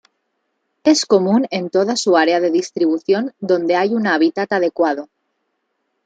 Es común en toda su área de distribución donde hay un hábitat adecuado.